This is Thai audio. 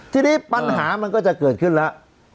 ทีนี้ปัญหามันก็จะเกิดขึ้นแล้ว